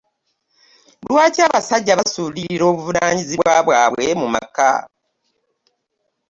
Lwaki abasajja basuulirira obuvunaanyizibwa bwabwe mu maka?